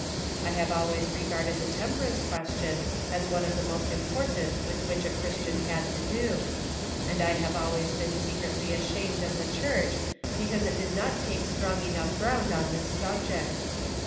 I have always regarded the temperance question as one of the most important with which a Chris tian had to do ; and I have always been se cretly ashamed of the church because it did not take strong enough ground on this subject.